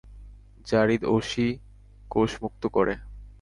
যারীদ অসি কোষমুক্ত করে।